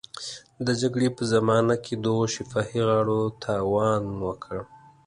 د جګړې په زمانه کې دغو شفاهي غاړو تاوان وکړ.